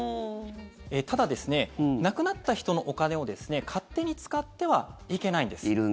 ただ、亡くなった人のお金を勝手に使ってはいけないんです。